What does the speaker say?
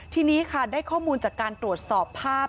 ทีนี้ค่ะได้ข้อมูลจากการตรวจสอบภาพ